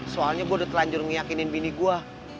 soalnya gue udah telanjur meyakinin bini gue